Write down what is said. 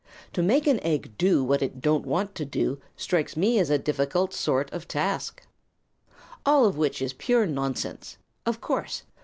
To make an egg do what it don't want to do Strikes me like a difficult sort of a task. All of which is pure nonsense. Of course.